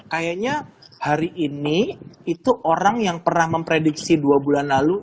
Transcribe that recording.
kayaknya hari ini itu orang yang pernah memprediksi dua bulan lalu